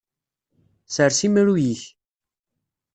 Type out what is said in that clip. Sers imru-yik.